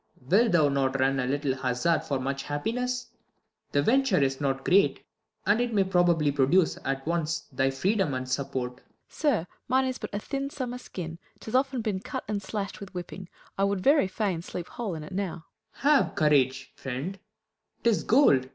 Wilt thou not run a little hazard for Much happiness ? The venture is not great ; And it may probably produce at once Thy freedom and support. Fool. Sir, mine is but A thin summer skin ; 't has been often cut And slasht with whipping. I would very fain Sleep whole in it now. Claud. Have courage, friend, 'tis gold